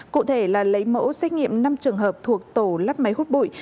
cụ thể là lấy mẫu xét nghiệm năm trường hợp thuộc tổ lắp máy hút bụi